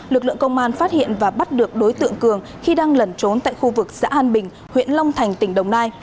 lực lượng công an phát hiện và bắt được đối tượng cường khi đang lẩn trốn tại khu vực xã an bình huyện long thành tỉnh đồng nai